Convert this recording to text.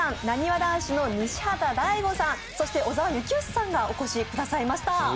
なにわ男子の西畑大吾さんそして小澤征悦さんがお越しくださいました